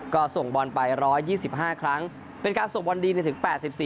ก็ส่งบอลไป๑๒๕ครั้งเป็นการส่งบอลดีในถึง๘๔